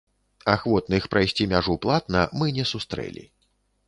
Ахвотных прайсці мяжу платна мы не сустрэлі.